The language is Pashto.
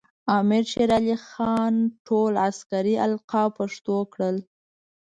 امیر شیر علی خان ټول عسکري القاب پښتو کړل.